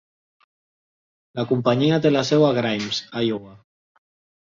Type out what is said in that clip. La companyia té la seu a Grimes, Iowa.